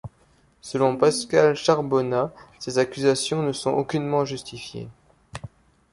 Selon Pascal Charbonnat, ces accusations ne sont aucunement justifiées.